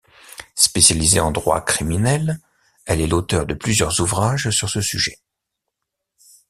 Spécialisée en droit criminel, elle est l'auteur de plusieurs ouvrages sur ce sujet.